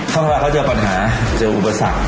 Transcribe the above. เมื่อเขาเจอปัญหาเจออุปสรรค